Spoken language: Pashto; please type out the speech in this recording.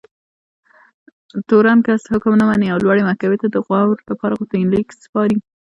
تورن کس حکم نه مني او لوړې محکمې ته د غور لپاره غوښتنلیک سپاري.